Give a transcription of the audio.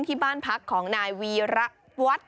ที่บ้านพักของนายวีระวัด